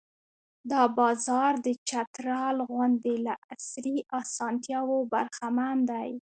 دا بازار د چترال غوندې له عصري اسانتیاوو برخمن دی.